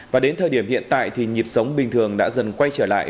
và đến thời điểm hiện tại thì nhịp sống bình thường đã dần quay trở lại